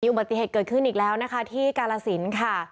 อุบัติเหตุเกิดขึ้นอีกแล้วนะคะที่กาลสินค่ะ